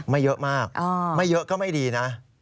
ไม่เยอะมากไม่เยอะก็ไม่ดีนะ